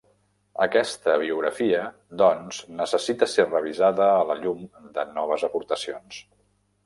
Aquesta biografia doncs necessita ser revisada a la llum de noves aportacions.